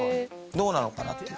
どうなのかなっていう。